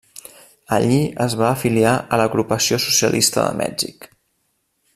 Allí es va afiliar a l'Agrupació socialista de Mèxic.